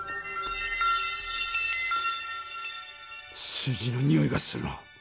数字のにおいがするな。